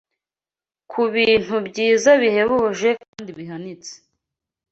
ku bintu byiza bihebuje kandi bihanitse